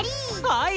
はい！